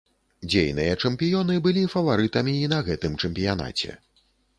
Дзейныя чэмпіёны былі фаварытамі і на гэтым чэмпіянаце.